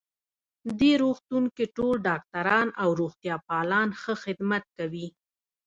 دې روغتون کې ټول ډاکټران او روغتیا پالان ښه خدمت کوی